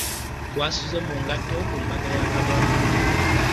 Twasuze mu ngatto ku mbaga ya Kabonge.